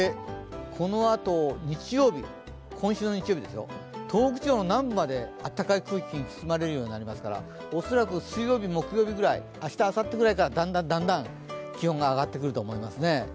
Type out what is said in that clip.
このあと今週の日曜日、東北地方の南部まで暖かい空気に包まれるようになりますから恐らく水曜日、木曜日ぐらい明日、あさってぐらいからだんだん気温が上がってくると思いますね。